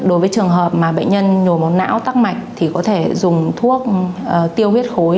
đối với trường hợp mà bệnh nhân nhồi máu não tắc mạch thì có thể dùng thuốc tiêu huyết khối